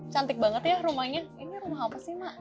cantik banget ya rumahnya ini rumah apa sih mak